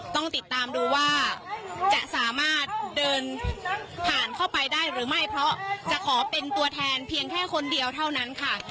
ต้องติดตามดูว่าจะสามารถเดินผ่านเข้าไปได้หรือไม่เพราะจะขอเป็นตัวแทนเพียงแค่คนเดียวเท่านั้นค่ะ